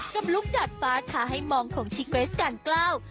กับลูกจัดฟ้าท้าให้มองของชิเกรสกันเกล้า